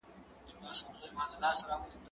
کېدای سي لوبه اوږده سي؟